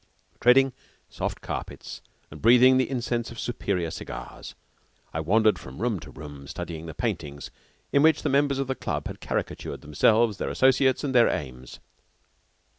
Treading soft carpets and breathing the incense of superior cigars, I wandered from room to room studying the paintings in which the members of the club had caricatured themselves, their associates, and their aims.